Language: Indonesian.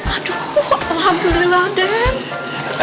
aduh alhamdulillah den